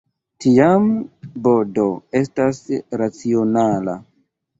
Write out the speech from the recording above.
Tiam, "b-d" estas racionala.